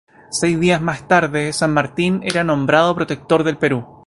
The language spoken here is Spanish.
Seis días más tarde, San Martín era nombrado Protector del Perú.